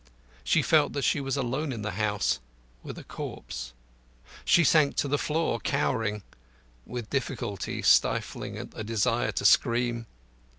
She felt that she was alone in the house with a corpse. She sank to the floor, cowering; with difficulty stifling a desire to scream.